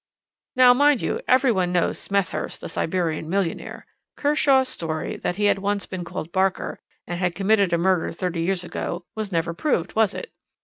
"Now, mind you, every one knows Smethurst, the Siberian millionaire. Kershaw's story that he had once been called Barker, and had committed a murder thirty years ago, was never proved, was it?